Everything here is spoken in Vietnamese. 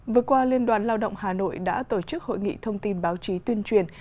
vừa qua liên đoàn lao động hà nội đã tổ chức hội nghị thông tin báo chí tuyên truyền